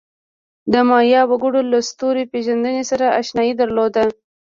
د مایا وګړو له ستوري پېژندنې سره آشنایي درلوده.